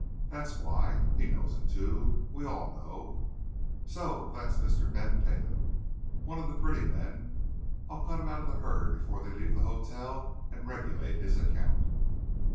That's why. He knows it, too. We all know. So, that's Mr. Ben Tatum! One of the 'pretty men'! I'll cut him out of the herd before they leave the hotel, and regulate his account!"